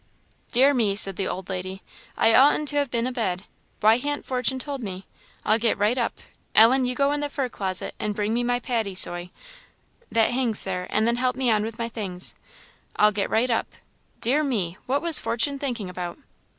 "Dear me!" said the old lady, "I oughtn't to ha' been abed! Why han't Fortune told me? I'll get right up. Ellen, you go in that fur closet and bring me my paddysoy, that hangs there, and then help me on with my things I'll get right up. Dear me! what was Fortune thinking about?"